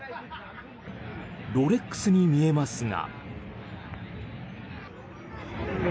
ロレックスに見えますが。